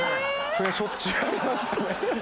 しょっちゅうありましたね。